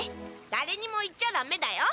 だれにも言っちゃダメだよ。